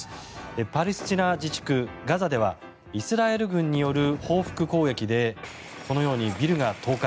パレスチナ自治区ガザではイスラエル軍による報復攻撃でこのようにビルが倒壊。